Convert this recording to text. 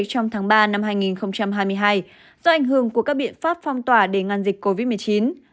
trong tháng ba năm hai nghìn hai mươi hai do ảnh hưởng của các biện pháp phong tỏa để ngăn dịch covid một mươi chín